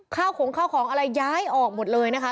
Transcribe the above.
ของข้าวของอะไรย้ายออกหมดเลยนะคะ